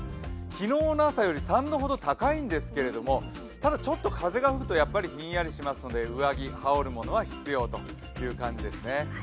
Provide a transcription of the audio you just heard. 昨日の朝より３度ほど高いんですけれどもただ風が吹くとヒンヤリしますので上着、羽織るものは必要という感じですね。